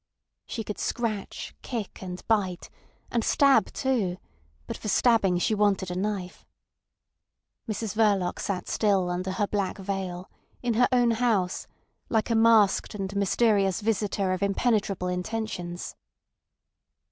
She could scratch, kick, and bite—and stab too; but for stabbing she wanted a knife. Mrs Verloc sat still under her black veil, in her own house, like a masked and mysterious visitor of impenetrable intentions.